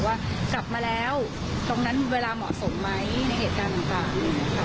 ว่ากลับมาแล้วตรงนั้นเวลาเหมาะสมไหมในเหตุการณ์ต่าง